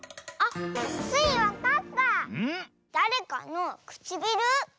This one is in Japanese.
だれかのくちびる？